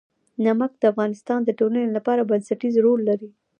نمک د افغانستان د ټولنې لپاره بنسټيز رول لري.